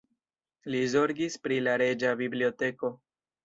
Li zorgis pri la reĝa biblioteko.